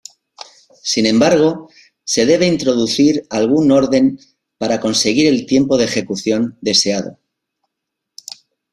Sin embargo, se debe introducir algún orden para conseguir el tiempo de ejecución deseado.